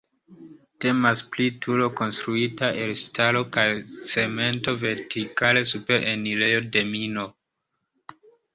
Temas pri turo konstruita el ŝtalo kaj cemento vertikale super enirejo de mino.